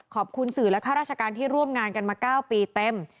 ขอบคุณสื่อและข้าราชการที่ร่วมงานกันมา๙ปีเต็ม